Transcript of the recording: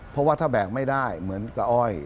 เพราะว่าถ้าแบกไม่ได้เหมือนกับอ้อย